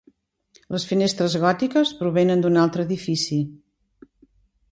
Les finestres gòtiques provenen d'un altre edifici.